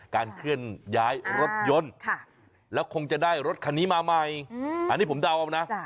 เคลื่อนย้ายรถยนต์แล้วคงจะได้รถคันนี้มาใหม่อันนี้ผมเดาเอานะ